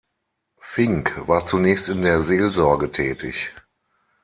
Fink war zunächst in der Seelsorge tätig.